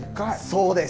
そうです。